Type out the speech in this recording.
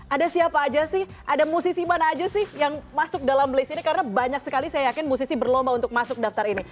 ada siapa aja sih ada musisi mana aja sih yang masuk dalam list ini karena banyak sekali saya yakin musisi berlomba untuk masuk daftar ini